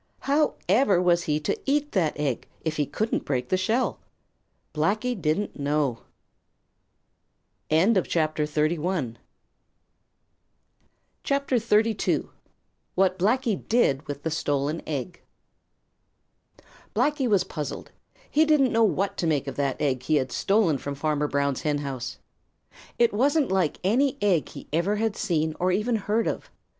However was he to eat that egg, if he couldn't break the shell? Blacky didn't know. CHAPTER XXXII: What Blacky Did With The Stolen Egg Blacky was puzzled. He didn't know what to make of that egg he had stolen from Farmer Brown's henhouse. It wasn't like any egg he ever had seen or even heard of.